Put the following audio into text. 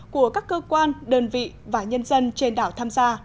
của các cơ quan đơn vị và nhân dân trên đảo tham gia